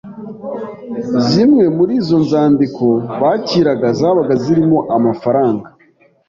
Zimwe muri izo nzandiko bakiraga zabaga zirimo amafaranga